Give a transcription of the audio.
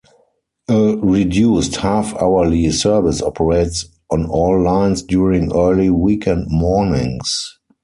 A reduced half-hourly service operates on all lines during early weekend mornings.